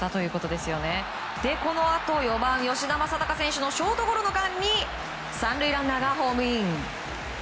このあと４番吉田正尚選手のショートゴロの間に３塁ランナーがホームイン。